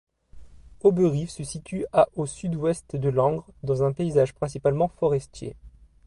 Auberive se situe à au sud-ouest de Langres dans un paysage principalement forestier.